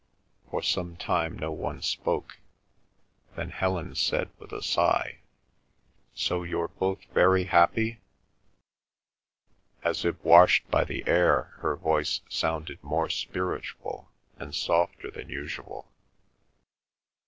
For some time no one spoke, then Helen said with a sigh, "So you're both very happy?" As if washed by the air her voice sounded more spiritual and softer than usual.